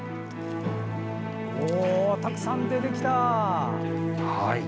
たくさん出てきた！